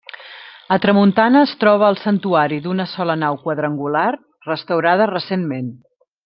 A tramuntana es troba el Santuari d’una sola nau quadrangular, restaurada recentment.